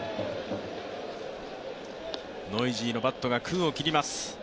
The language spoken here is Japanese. ノイジーのバットが空を切ります。